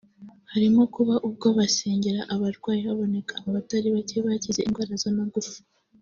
harimo kuba ubwo basengera abarwayi haboneka abatari bake bakize indwara z’amagufa